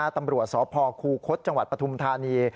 ตำรวจสพคูคศจังหวัดปฐุมธานี